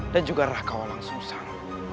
dan juga rahkawalang susang